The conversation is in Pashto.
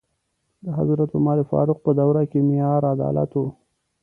د حضرت عمر فاروق په دوره کې معیار عدالت و.